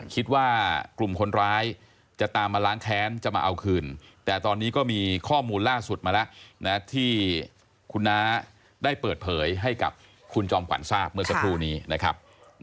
คิดว่ากลุ่มคนร้ายจะตามมาล้างแค้นจะมาเอาคืนแต่ตอนนี้ก็มีข้อมูลล่าสุดมาแล้วนะที่คุณน้าได้เปิดเผยให้กับคุณจอมขวัญทราบเมื่อสักครู่นี้นะครับ